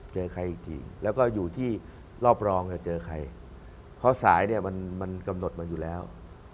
เจอใครอีกทีแล้วก็อยู่ที่รอบรองจะเจอใครเพราะสายเนี่ยมันมันกำหนดมาอยู่แล้ว